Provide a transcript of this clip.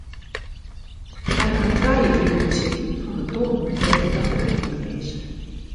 Hy hat trije jier útsitten fan de tolve dêr't er ta feroardiele is.